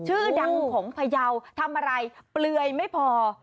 ชื่อดังของพยาวทำอะไรเปลือยไม่พอ